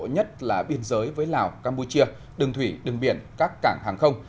nhất là biên giới với lào campuchia đường thủy đường biển các cảng hàng không